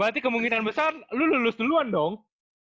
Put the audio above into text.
berarti kemungkinan besar lo lulus duluan dong